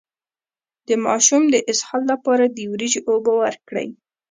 د ماشوم د اسهال لپاره د وریجو اوبه ورکړئ